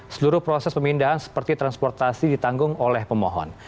seluruh proses pemindahan seperti transportasi ditanggung oleh pemohon